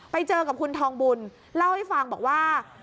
ไปเจอกับคุณทองบุญเล่าให้ฟังบอกว่า